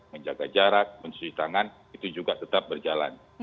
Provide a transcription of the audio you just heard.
menjaga jarak mencuci tangan itu juga tetap berjalan